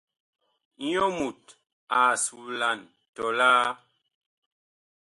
Nyɔ mut ag suulan tɔlaa.